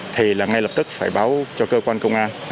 thì là ngay lập tức phải báo cho cơ quan công an